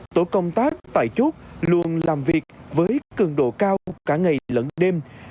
tài chốt luôn làm việc với cường độ cao cả ngày lẫn đêm